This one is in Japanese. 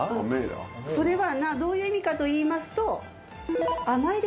それはどういう意味かといいますと。